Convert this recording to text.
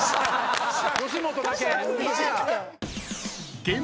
吉本だけ。